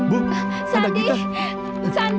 ibu kangen nak